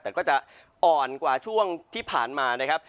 แต่ก็จะอ่อนกว่าช่วงที่ผ่านมานะครับ